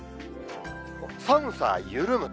寒さ緩む。